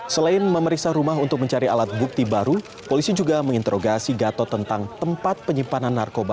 selain memeriksa rumah untuk mencari alat bukti baru polisi juga menginterogasi gatot tentang tempat penyimpanan narkoba